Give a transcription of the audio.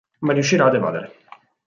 Ma riuscirà ad evadere.